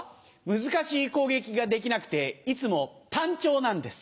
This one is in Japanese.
難しい攻撃ができなくていつもタンチョウなんです。